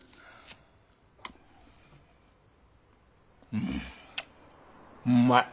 うんうまい。